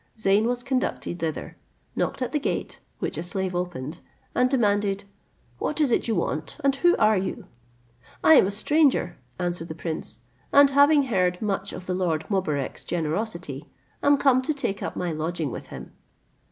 Zeyn was conducted thither, knocked at the gate, which a slave opened, and demanded, "What is it you want, and who are you?" "I am a stranger," answered the prince, "and having heard much of the lord Mobarec's generosity, am come to take up my lodging with him."